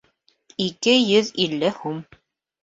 Ике йөҙ илле һум